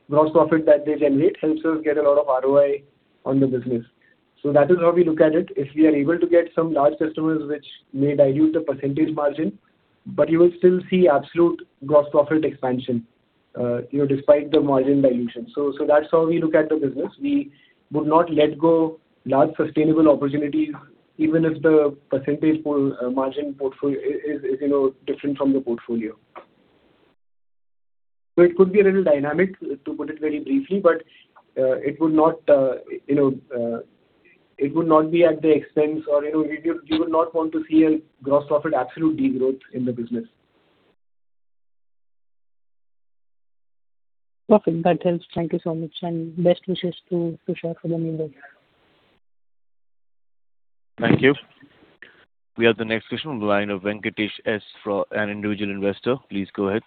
gross profit that they generate helps us get a lot of ROI on the business. So that is how we look at it. If we are able to get some large customers, which may dilute the percentage margin, but you will still see absolute gross profit expansion, you know, despite the margin dilution. So, so that's how we look at the business. We would not let go large sustainable opportunities, even if the percentage portfolio margin portfolio is, is, you know, different from the portfolio. So it could be a little dynamic, to put it very briefly, but, it would not, you know, it would not be at the expense or, you know, we would not want to see a gross profit absolute degrowth in the business.
Perfect, that helps. Thank you so much, and best wishes to Tushar for the new role.
Thank you. We have the next question on the line of Venkatesh S, from an individual investor. Please go ahead.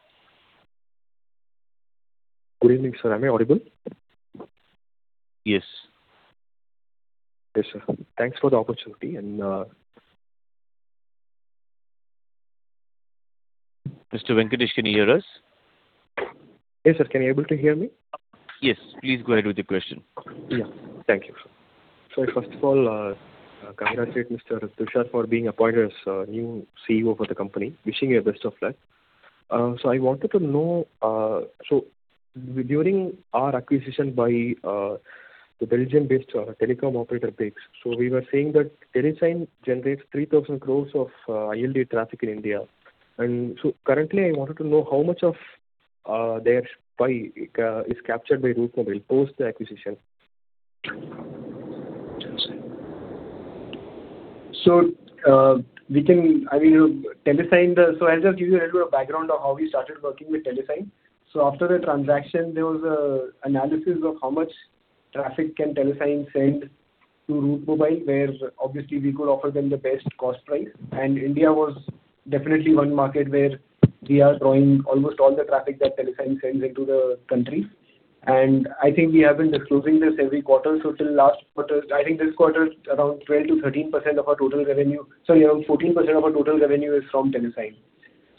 Good evening, sir. Am I audible?
Yes.
Yes, sir. Thanks for the opportunity, and
Mr. Venkatesh, can you hear us?
Hey, sir, can you able to hear me?
Yes. Please go ahead with your question.
Yeah. Thank you. So first of all, congratulate Mr. Tushar for being appointed as new CEO for the company. Wishing you best of luck. So I wanted to know. So during our acquisition by the Belgium-based telecom operator, BICS, so we were saying that Telesign generates 3,000 crore of ILD traffic in India. And so currently, I wanted to know how much of their pie is captured by Route Mobile post the acquisition?
So, I mean, Telesign, so I'll just give you a little bit of background of how we started working with Telesign. So after the transaction, there was an analysis of how much traffic can Telesign send to Route Mobile, where obviously we could offer them the best cost price. And India was definitely one market where we are drawing almost all the traffic that Telesign sends into the country. And I think we have been disclosing this every quarter, so till last quarter, I think this quarter, around 12%-13% of our total revenue. So yeah, 14% of our total revenue is from Telesign.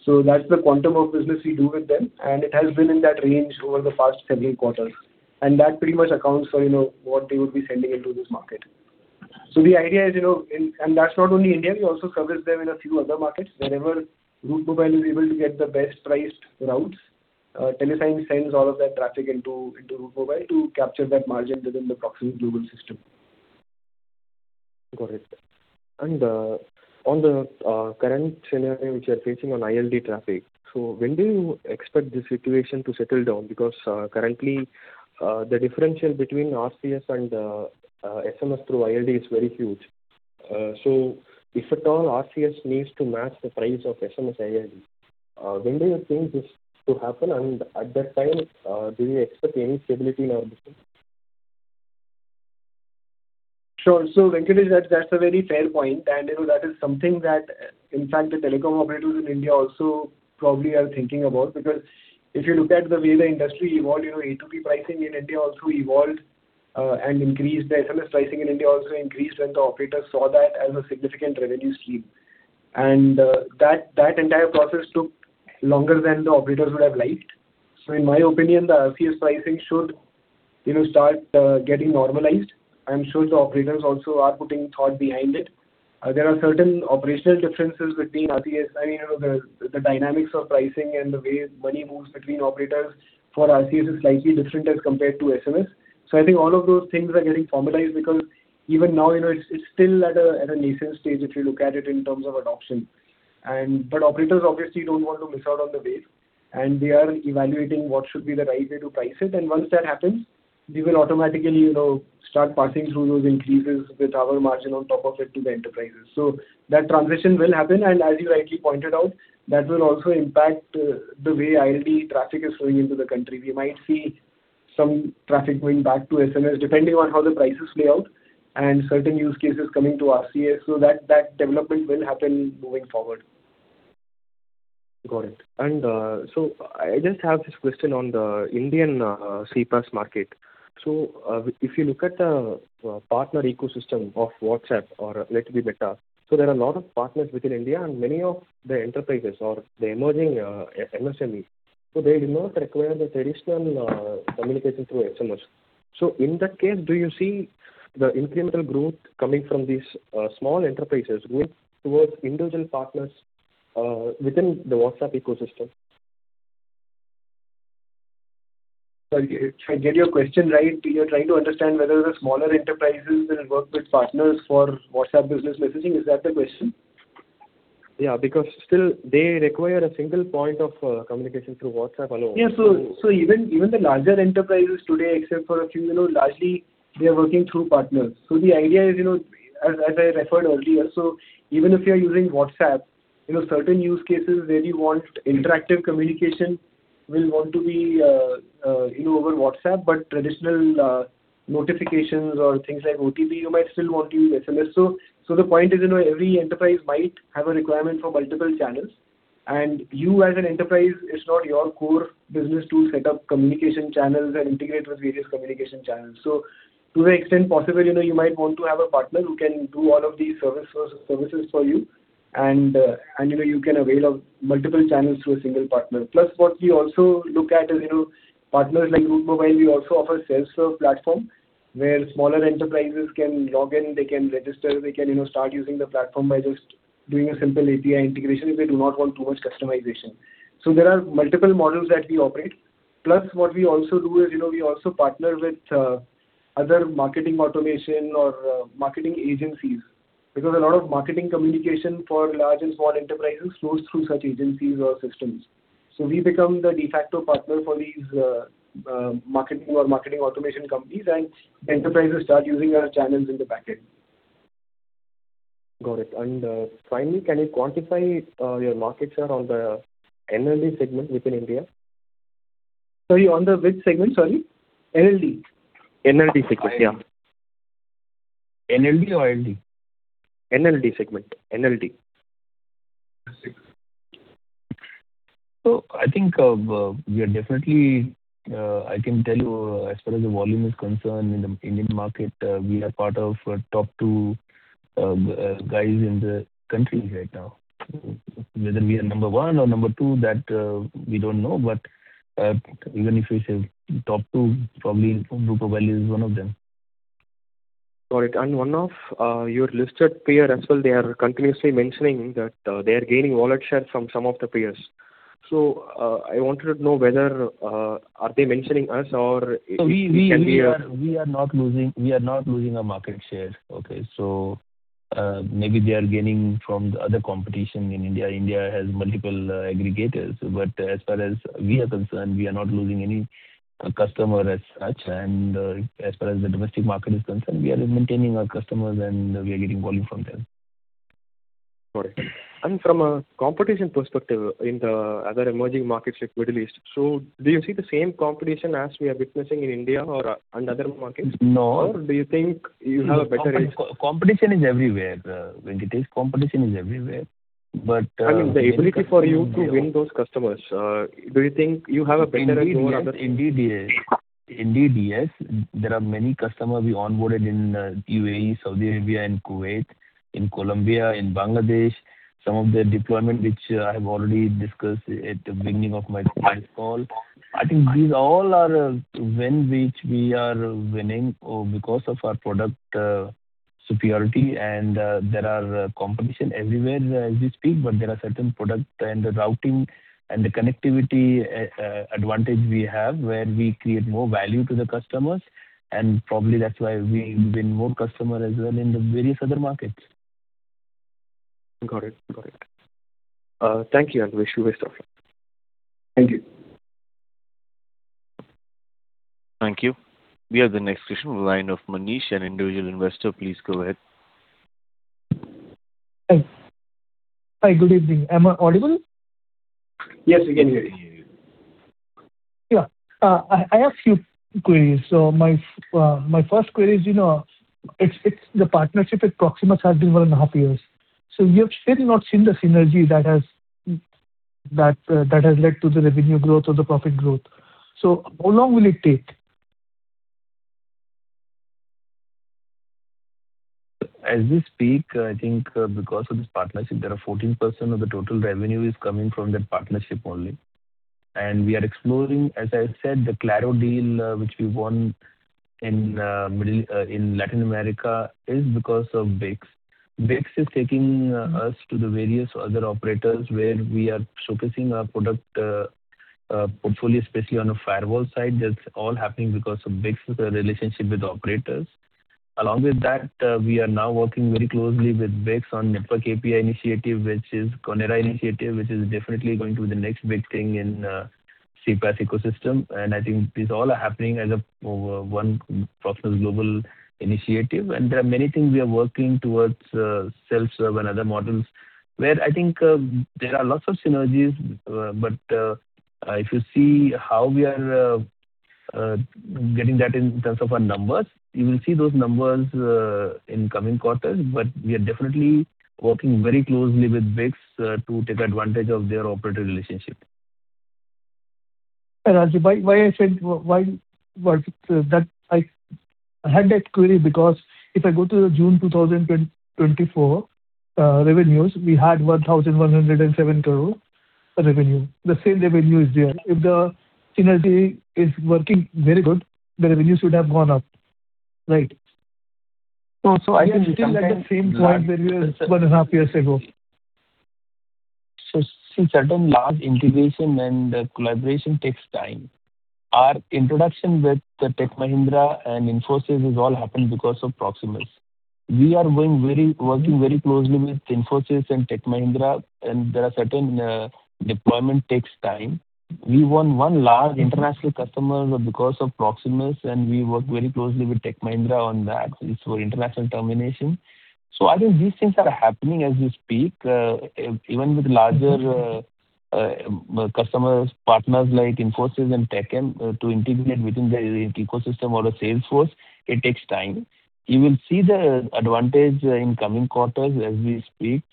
So that's the quantum of business we do with them, and it has been in that range over the past several quarters. And that pretty much accounts for, you know, what they would be sending into this market. So the idea is, you know, and, and that's not only India, we also service them in a few other markets. Wherever Route Mobile is able to get the best priced routes, Telesign sends all of that traffic into, into Route Mobile to capture that margin within the Proximus Global system.
Got it. And on the current scenario which you're facing on ILD traffic, so when do you expect the situation to settle down? Because currently the differential between RCS and SMS through ILD is very huge. So if at all RCS needs to match the price of SMS ILD, when do you think this to happen, and at that time do you expect any stability in our business?
Sure. So, Venkatesh, that's a very fair point, and, you know, that is something that, in fact, the telecom operators in India also probably are thinking about. Because if you look at the way the industry evolved, you know, A2P pricing in India also evolved, and increased. The SMS pricing in India also increased, and the operators saw that as a significant revenue stream. And, that entire process took longer than the operators would have liked. So in my opinion, the RCS pricing should, you know, start, getting normalized. I'm sure the operators also are putting thought behind it. There are certain operational differences between RCS, and, you know, the dynamics of pricing and the way money moves between operators for RCS is slightly different as compared to SMS. So I think all of those things are getting formalized, because even now, you know, it's, it's still at a, at a nascent stage, if you look at it in terms of adoption. But operators obviously don't want to miss out on the wave, and they are evaluating what should be the right way to price it. And once that happens, we will automatically, you know, start passing through those increases with our margin on top of it to the enterprises. So that transition will happen, and as you rightly pointed out, that will also impact the way ILD traffic is flowing into the country. We might see some traffic going back to SMS, depending on how the prices play out, and certain use cases coming to RCS. So that, that development will happen going forward.
Got it. So I just have this question on the Indian CPaaS market. So, if you look at the partner ecosystem of WhatsApp or let it be Meta, so there are a lot of partners within India and many of the enterprises or the emerging MSMEs, so they do not require the traditional communication through SMS. So in that case, do you see the incremental growth coming from these small enterprises grow towards individual partners within the WhatsApp ecosystem?
If I get your question right, you are trying to understand whether the smaller enterprises will work with partners for WhatsApp business messaging. Is that the question?
Yeah, because still they require a single point of, communication through WhatsApp alone.
Yeah. So even the larger enterprises today, except for a few, you know, largely they are working through partners. So the idea is, you know, as I referred earlier, so even if you are using WhatsApp, you know, certain use cases where you want interactive communication will want to be, you know, over WhatsApp. But traditional notifications or things like OTP, you might still want to use SMS. So the point is, you know, every enterprise might have a requirement for multiple channels, and you as an enterprise, it's not your core business to set up communication channels and integrate with various communication channels. So to the extent possible, you know, you might want to have a partner who can do all of these services for you.
And, you know, you can avail of multiple channels through a single partner. Plus, what we also look at is, you know, partners like Route Mobile, we also offer self-serve platform, where smaller enterprises can log in, they can register, they can, you know, start using the platform by just doing a simple API integration if they do not want too much customization. So there are multiple models that we operate. Plus, what we also do is, you know, we also partner with other marketing automation or marketing agencies. Because a lot of marketing communication for large and small enterprises flows through such agencies or systems. So we become the de facto partner for these marketing or marketing automation companies, and enterprises start using our channels in the back end.
Got it. And, finally, can you quantify your market share on the NLD segment within India?
Sorry, on the which segment, sorry? NLD.
NLD segment, yeah.
NLD or LD?
NLD segment. NLD.
So I think of, we are definitely. I can tell you, as far as the volume is concerned, in the Indian market, we are part of top two guys in the country right now. Whether we are number one or number two, that we don't know, but even if we say top two, probably Route Mobile is one of them.
Got it. And one of your listed peer as well, they are continuously mentioning that they are gaining wallet share from some of the peers. So, I wanted to know whether are they mentioning us or-
We are not losing our market share, okay? So, maybe they are gaining from the other competition in India. India has multiple aggregators, but as far as we are concerned, we are not losing any customer as such. And, as far as the domestic market is concerned, we are maintaining our customers, and we are getting volume from them.
Got it. From a competition perspective in the other emerging markets, like Middle East, so do you see the same competition as we are witnessing in India or and other markets?
No.
Or do you think you have a better edge?
Competition is everywhere. When it is competition, is everywhere. But,
I mean, the ability for you to win those customers, do you think you have a better or more other-
Indeed, yes. Indeed, yes. There are many customers we onboarded in UAE, Saudi Arabia and Kuwait, in Colombia, in Bangladesh. Some of the deployment, which I have already discussed at the beginning of my call. I think these all are win, which we are winning, because of our product superiority. And there are competition everywhere as we speak, but there are certain products, and the routing and the connectivity advantage we have, where we create more value to the customers, and probably that's why we win more customer as well in the various other markets.
Got it. Got it. Thank you and wish you well sir.
Thank you.
Thank you. We have the next question in line of Manish, an individual investor. Please go ahead.
Hi. Hi, good evening. Am I audible?
Yes, we can hear you.
Yeah. I have few queries. So my first query is, you know, it's the partnership with Proximus has been 1.5 years, so we have still not seen the synergy that has led to the revenue growth or the profit growth. So how long will it take?
As we speak, I think, because of this partnership, there are 14% of the total revenue is coming from that partnership only. And we are exploring, as I said, the Claro deal, which we won in Latin America, is because of BICS. BICS is taking us to the various other operators, where we are showcasing our product portfolio, especially on the firewall side. That's all happening because of BICS' relationship with the operators. Along with that, we are now working very closely with BICS on Network API initiative, which is CAMARA initiative, which is definitely going to be the next big thing in CPaaS ecosystem. And I think these all are happening as a one Proximus Group initiative. And there are many things we are working towards, self-serve and other models, where I think, there are lots of synergies, but if you see how we are getting that in terms of our numbers, you will see those numbers in coming quarters. But we are definitely working very closely with BICS to take advantage of their operator relationship.
Why I said that I had that query, because if I go to the June 2024 revenues, we had 1,107 crore revenue. The same revenue is there. If the synergy is working very good, the revenue should have gone up, right? So I think we are at the same point where we were one and a half years ago.
So certain large integration and collaboration takes time. Our introduction with the Tech Mahindra and Infosys has all happened because of Proximus. We are working very closely with Infosys and Tech Mahindra, and there are certain deployment takes time. We won one large international customer because of Proximus, and we work very closely with Tech Mahindra on that. It's for international termination. So I think these things are happening as we speak. Even with larger customers, partners like Infosys and Tech M, to integrate within the ecosystem or the sales force, it takes time. You will see the advantage in coming quarters as we speak,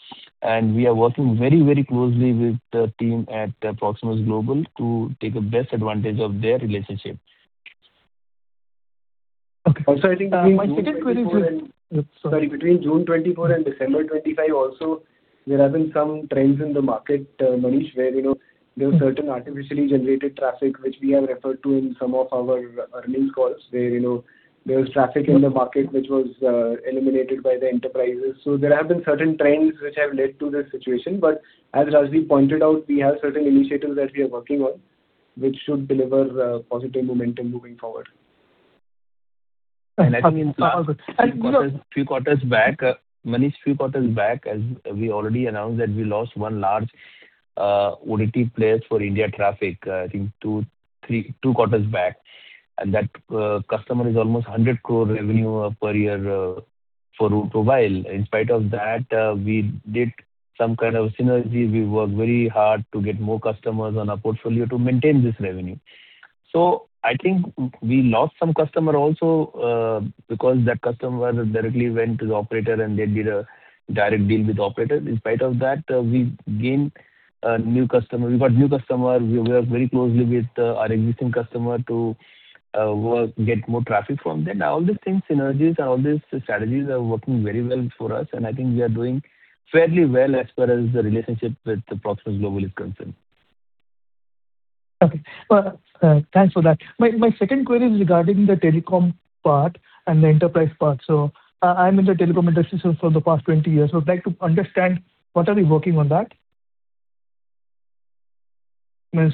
and we are working very, very closely with the team at Proximus Global to take the best advantage of their relationship.
Also, I think between June 2024 and December 2025 also, there have been some trends in the market, Manish, where, you know, there are certain artificially generated traffic, which we have referred to in some of our earnings calls, where, you know, there was traffic in the market which was eliminated by the enterprises. So there have been certain trends which have led to this situation, but as Rajdip pointed out, we have certain initiatives that we are working on, which should deliver positive momentum moving forward.
And I think in few quarters, few quarters back, Manish, few quarters back, as we already announced, that we lost one large OTT players for India traffic, I think two, three, two quarters back. And that customer is almost 100 crore revenue per year for Route Mobile. In spite of that, we did some kind of synergy. We worked very hard to get more customers on our portfolio to maintain this revenue. So I think we lost some customer also because that customer directly went to the operator, and they did a direct deal with the operator. In spite of that, we gained a new customer. We got new customer. We work very closely with our existing customer to work, get more traffic from them. All these things, synergies and all these strategies are working very well for us, and I think we are doing fairly well as far as the relationship with the Proximus Global is concerned.
Okay. Well, thanks for that. My, my second query is regarding the telecom part and the enterprise part. So I, I'm in the telecom industry so for the past 20 years. So I'd like to understand, what are we working on that?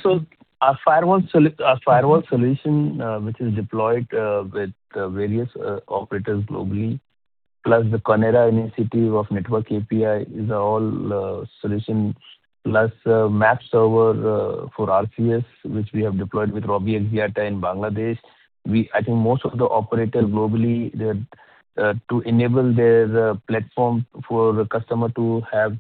So our firewall solution, which is deployed with various operators globally, plus the CAMARA initiative of network API, is all solution. Plus, MaaP server for RCS, which we have deployed with Robi Axiata in Bangladesh. I think most of the operators globally, they to enable their platform for the customer to have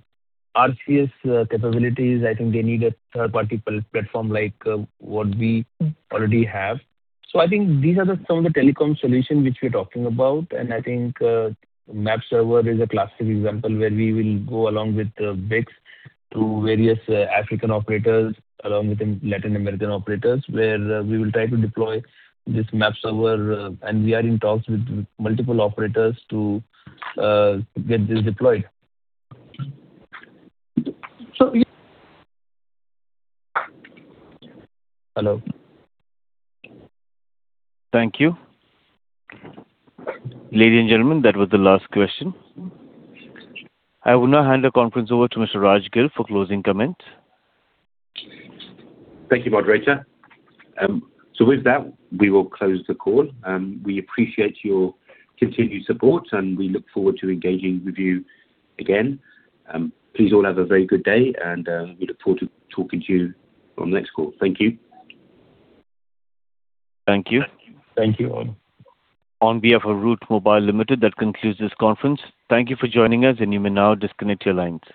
RCS capabilities, I think they need a third-party platform like what we already have. So I think these are some of the telecom solutions which we're talking about, and I think, MaaP server is a classic example where we will go along with BICS to various African operators, along with the Latin American operators, where we will try to deploy this MaaP server, and we are in talks with multiple operators to get this deployed.
So you-
Hello?
Thank you. Ladies and gentlemen, that was the last question. I will now hand the conference over to Mr. Raj Gill for closing comments.
Thank you, moderator. So with that, we will close the call. We appreciate your continued support, and we look forward to engaging with you again. Please all have a very good day, and we look forward to talking to you on the next call. Thank you.
Thank you.
Thank you all.
On behalf of Route Mobile Limited, that concludes this conference. Thank you for joining us, and you may now disconnect your lines.